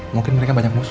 mungkin mereka banyak musuh